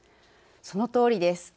そのとおりです。